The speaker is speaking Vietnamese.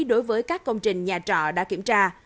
đối với các công trình nhà trọ đã kiểm tra